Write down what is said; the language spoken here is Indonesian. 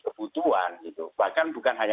kebutuhan bahkan bukan hanya